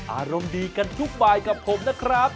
อารมณ์ดีกันทุกบายกับผมนะครับ